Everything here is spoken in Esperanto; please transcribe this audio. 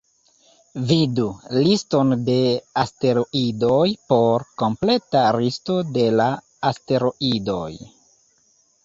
Vidu "Liston de asteroidoj" por kompleta listo de la asteroidoj.